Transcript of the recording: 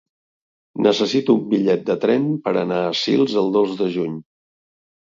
Necessito un bitllet de tren per anar a Sils el dos de juny.